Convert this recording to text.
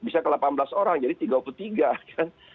bisa ke delapan belas orang jadi tiga puluh tiga kan